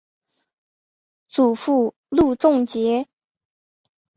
祖父路仲节。